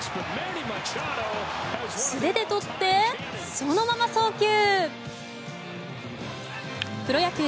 素手でとって、そのまま送球。